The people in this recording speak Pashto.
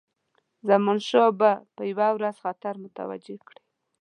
زمانشاه به یو ورځ خطر متوجه کړي.